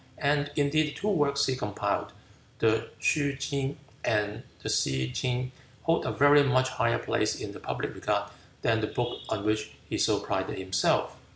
And indeed the two works he compiled, the Shoo king and the She king, hold a very much higher place in the public regard than the book on which he so prided himself.